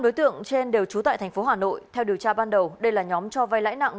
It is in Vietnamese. bốn đối tượng trên đều trú tại thành phố hà nội theo điều tra ban đầu đây là nhóm cho vay lãi nặng